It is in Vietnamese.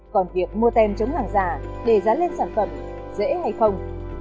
còn việc mua tem chống hàng giả để giá lên sản phẩm dễ hay không